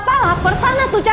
tidak ada yang bisa